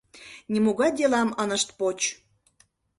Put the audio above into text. Нимогай делам ынышт поч.